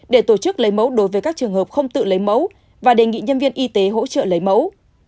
để tổ chức lấy mẫu đối với các trường hợp không tự lấy mẫu và đề nghị nhân viên y tế hỗ trợ lấy mẫu